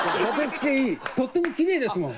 とってもキレイですもん。